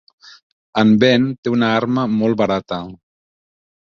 En Ben té una arma molt barata.